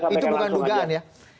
saya sampaikan langsung aja